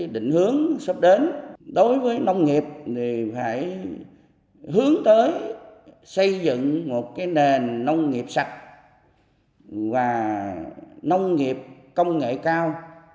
định hướng sắp đến đối với nông nghiệp thì phải hướng tới xây dựng một nền nông nghiệp sạch và nông nghiệp công nghệ cao